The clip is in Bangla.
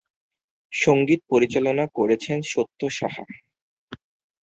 সঙ্গীত পরিচালনা করেছেন সত্য সাহা।